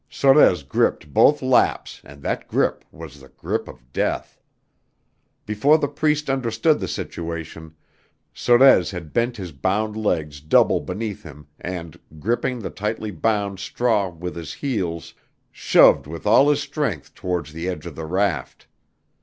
Sorez gripped both laps and that grip was the grip of death. Before the Priest understood the situation, Sorez had bent his bound legs double beneath him and, gripping the tightly bound straw with his heels, shoved with all his strength towards the edge of the raft.